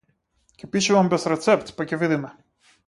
Ќе пишувам без рецепт, па ќе видиме.